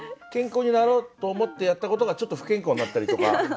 健康になろうと思ってやったことがちょっと不健康になったりとか。